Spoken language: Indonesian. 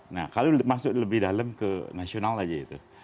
nah kalau masuk lebih dalam ke nasional aja itu